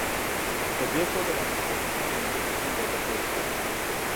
په دې توګه د امیر شېر علي خان د امارت دوهمه دوره پیل شوه.